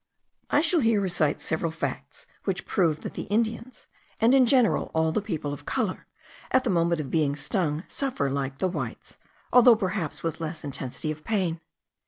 I shall here recite several facts, which prove that the Indians, and in general all the people of colour, at the moment of being stung, suffer like the whites, although perhaps with less intensity of pain.